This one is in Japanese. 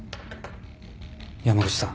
山口さん。